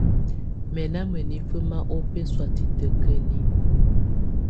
Mɛ̀ na mǝnifǝ ma ɔbɛsɔ̀á titǝ́kǝni.